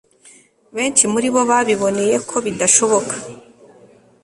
benshi muri bo biboneye ko bidashoboka